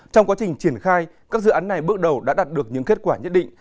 trong quá trình triển khai các dự án này bước đầu đã đạt được những kết quả nhất định